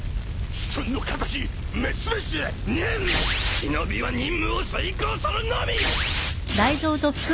忍は任務を遂行するのみ！